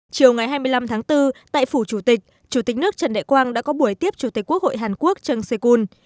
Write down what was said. chiều ngày hai mươi năm tháng bốn tại phủ chủ tịch chủ tịch nước trần đại quang đã có buổi tiếp chủ tịch quốc hội hàn quốc trân xe kun